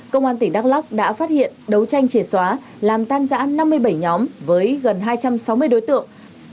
công an tỉnh đắk lắk đã phát hiện đấu tranh chế xóa làm tan giãn năm mươi bảy nhóm với gần hai trăm sáu mươi đối tượng